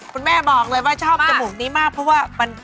คุณแม่บอกเลยว่าชอบจมูกนี้มากเพราะว่ามัน